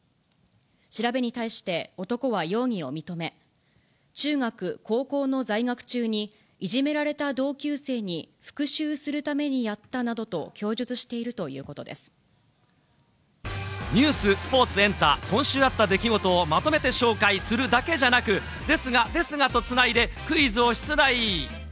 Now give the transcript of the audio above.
調べに対して男は容疑を認め、中学、高校の在学中にいじめられた同級生に復讐するためにやったなどとニュース、スポーツ、エンタ、今週あった出来事をまとめて紹介するだけじゃなく、ですが、ですがとつないでクイズを出題。